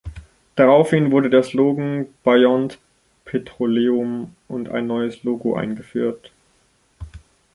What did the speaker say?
Daraufhin wurde der Slogan „Beyond Petroleum“ und ein neues Logo eingeführt.